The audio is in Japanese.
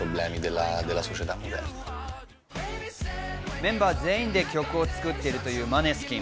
メンバー全員で曲を作っているというマネスキン。